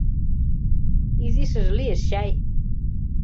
— Изишыже лиеш чай...